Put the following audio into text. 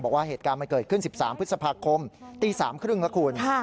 บอกว่าเหตุการณ์มันเกิดขึ้น๑๓พฤษภาคมตี๓๓๐แล้วคุณ